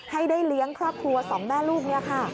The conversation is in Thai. ให้ได้เลี้ยงครอบครัวสองแม่ลูกเนี่ยค่ะ